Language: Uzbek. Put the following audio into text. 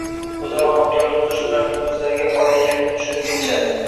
o‘zaro hamkorlik qilish ularning o‘zlariga foyda ekanini tashunib yetishadi